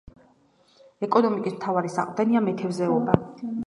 ეკონომიკის მთავარი საყრდენია მეთევზეობა.